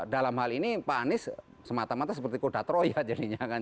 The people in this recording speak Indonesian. dalam hal ini pak anies semata mata seperti koda troya jadinya kan